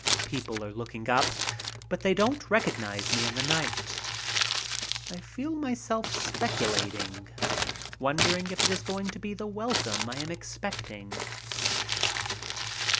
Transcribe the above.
People are looking up, but they don't recognize me in the night. I feel myself speculating, wondering if it is going to be the welcome I am expecting.